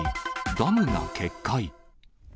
ダムが決壊。